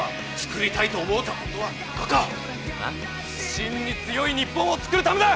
真に強い日本を作るためだ！